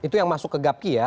itu yang masuk ke gapki ya